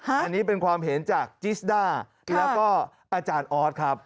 อันนี้เป็นความเห็นจากจิสด้าแล้วก็อาจารย์ออสครับ